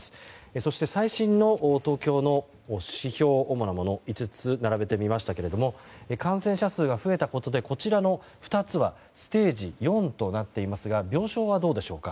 そして最新の東京の指標主なもの５つ並べてみましたが感染者数が増えたことでこちらの２つはステージ４となっていますが病床はどうでしょうか。